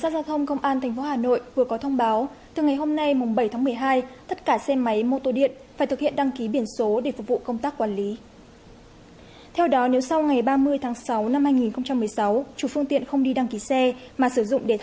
các bạn hãy đăng ký kênh để ủng hộ kênh của chúng mình nhé